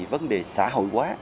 vấn đề xã hội quá